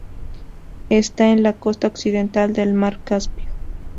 Está en la costa occidental del mar Caspio.